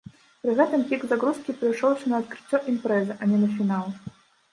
Пры гэтым пік загрузкі прыйшоўся на адкрыццё імпрэзы, а не на фінал.